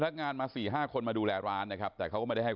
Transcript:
ตอนนี้กำลังจะโดดเนี่ยตอนนี้กำลังจะโดดเนี่ย